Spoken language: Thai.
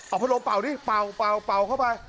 เอาพันโลปเปล่านี่เปล่าเข้าไป